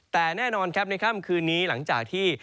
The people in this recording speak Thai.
แต่แน่นอนครับคืนนี้หลังจากที่